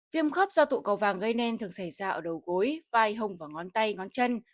viêm khớp do tụ cầu vàng gây nên thường xảy ra ở đầu gối vai hồng và ngón tay ngón chân